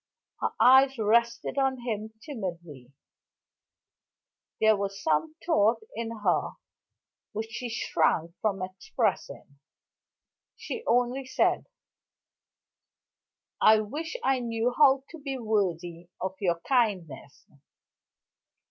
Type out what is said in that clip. Her eyes rested on him timidly; there was some thought in her which she shrank from expressing. She only said: "I wish I knew how to be worthy of your kindness."